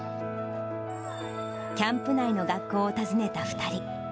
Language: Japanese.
キャンプ内の学校を訪ねた２人。